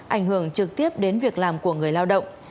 ảnh hưởng trực tiếp đến việc làm của người lao động